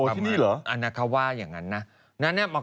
อาณาคาว่าอย่างนั้นนะ